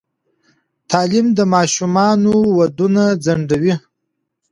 تعلیم د ماشومانو ودونه ځنډوي.